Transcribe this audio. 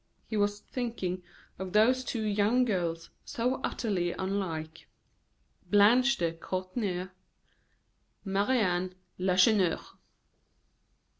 He was thinking of those two young girls, so utterly unlike. Blanche de Courtornieu Marie Anne Lacheneur.